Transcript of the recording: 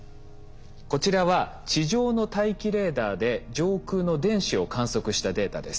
こちらは地上の大気レーダーで上空の電子を観測したデータです。